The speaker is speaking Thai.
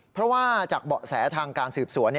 เพราะว่าจากเบาะแสทางการสืบสวน